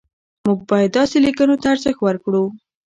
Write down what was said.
موږ باید داسې لیکنو ته ارزښت ورکړو.